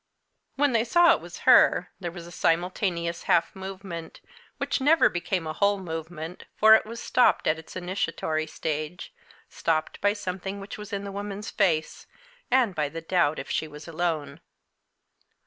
When they saw it was her, there was a simultaneous half movement, which never became a whole movement, for it was stopped at its initiatory stage stopped by something which was in the woman's face, and by the doubt if she was alone.